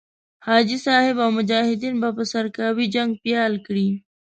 حاجي صاحب او مجاهدین به په سرکاوي جنګ پيل کړي.